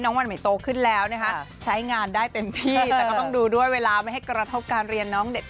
ก็แพ็คคู่อะไรอย่างนี้ไม่มี